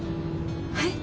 はい？